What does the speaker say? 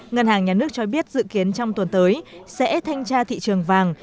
ngân hàng nhà nước cho biết dự kiến trong tuần tới sẽ thanh tra thị trường vàng